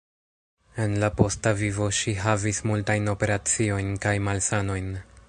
En la posta vivo ŝi havis multajn operaciojn kaj malsanojn.